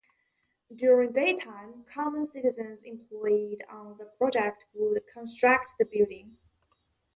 During daytime, common citizens employed on the project would construct the building.